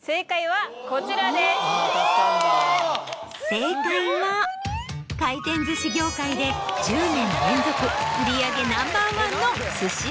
正解は回転寿司業界で１０年連続売り上げナンバーワンの。